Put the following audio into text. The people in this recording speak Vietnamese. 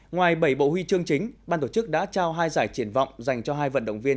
ngoài bảy bộ huy chương chính ban tổ chức đã trao hai giải triển vọng dành cho hai vận động viên